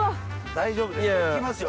大丈夫ですか？